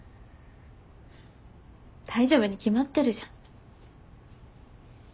大丈夫に決まってるじゃん。